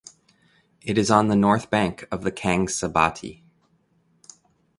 It is on the north bank of the Kangsabati.